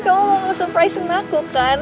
kamu mau surprise sama aku kan